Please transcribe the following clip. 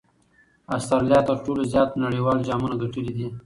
اسټراليا تر ټولو زیات نړۍوال جامونه ګټلي دي.